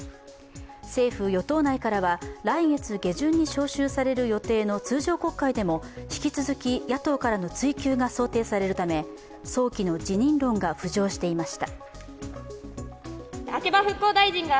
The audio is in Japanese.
政府・与党内からは来月下旬に召集される予定の通常国会でも引き続き野党からの追及が想定されるため早期の辞任論が浮上していました。